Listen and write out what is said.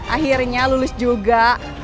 akhirnya lulus juga